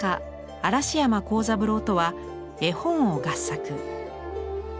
嵐山光三郎とは絵本を合作。